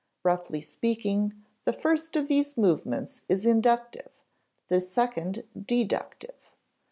Roughly speaking, the first of these movements is inductive; the second deductive.